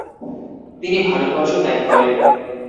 তিনি ভারতবর্ষ ত্যাগ করেন।